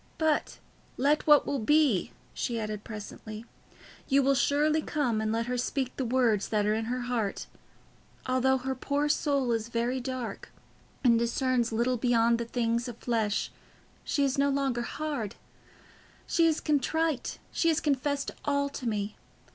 "But let what will be," she added presently. "You will surely come, and let her speak the words that are in her heart. Although her poor soul is very dark and discerns little beyond the things of the flesh, she is no longer hard. She is contrite, she has confessed all to me.